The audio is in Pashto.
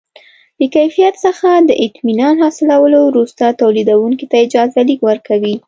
د کیفیت څخه د اطمینان حاصلولو وروسته تولیدوونکي ته اجازه لیک ورکوي.